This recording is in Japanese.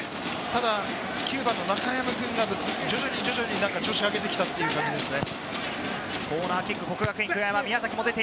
ただ９番の中山君が徐々に調子を上げてきたという感じですね。